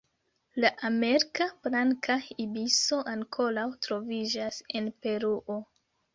La Amerika blanka ibiso ankoraŭ troviĝas en Peruo.